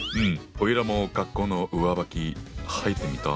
おいらも学校の上履き履いてみたい！